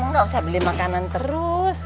kamu gak usah beli makanan terus